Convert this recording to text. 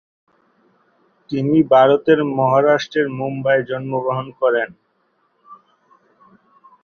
তিনি ভারতের মহারাষ্ট্রের মুম্বাইয়ে জন্মগ্রহণ করেন।